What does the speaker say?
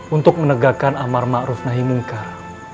untuk menegakkan amat ma'ruf naik munkar